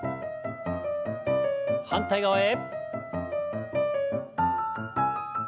反対側へ。